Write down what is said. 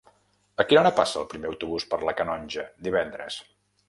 A quina hora passa el primer autobús per la Canonja divendres?